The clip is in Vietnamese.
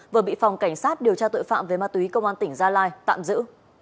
vừa bị phòng cảnh sát điều tra tội phạm về ma túy công an tỉnh gia lai tạm giữ